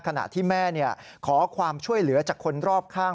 ขณะที่แม่ขอความช่วยเหลือจากคนรอบข้าง